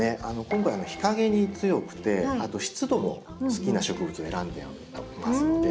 今回日陰に強くて湿度も好きな植物を選んでいますので。